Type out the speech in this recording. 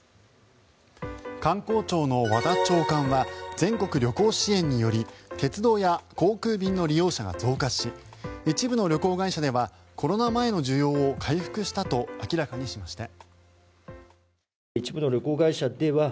観光庁の和田長官は全国旅行支援により鉄道や航空便の利用者が増加し一部の旅行会社ではコロナ前の需要を回復したと明らかにしました。